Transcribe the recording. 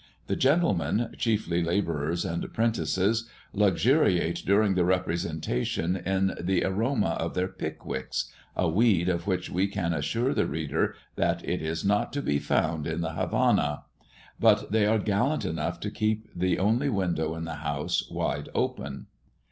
The gentlemen, chiefly labourers and apprentices, luxuriate during the representation in the aroma of their "pickwicks," a weed of which we can assure the reader that it is not to be found in the Havanna; but they are gallant enough to keep the only window in the house wide open.